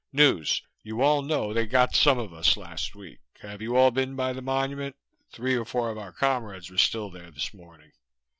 News: You all know they got some more of us last week. Have you all been by the Monument? Three of our comrades were still there this morning.